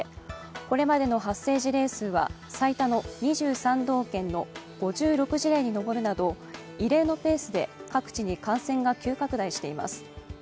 これまでの発生事例数は最多の２３道県の５６事例に上るなど異例のペースで各地に感染が急拡大しています。